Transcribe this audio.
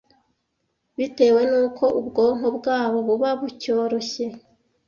Bitewe n’uko ubwonko bwabo buba bucyoroshye